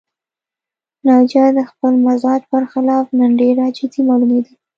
ناجیه د خپل مزاج پر خلاف نن ډېره جدي معلومېده